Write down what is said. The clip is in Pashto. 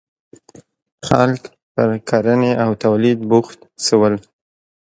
• خلک پر کرنې او تولید بوخت شول.